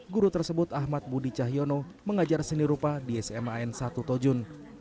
guru tersebut ahmad budi cahyono mengajar seni rupa di sma n satu tojun